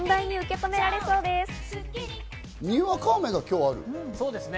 にわか雨が今日あるんですか？